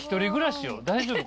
大丈夫？